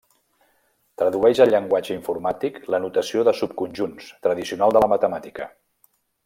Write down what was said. Tradueix al llenguatge informàtic la notació de subconjunts tradicional de la matemàtica.